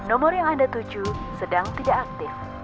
aku sudah selesai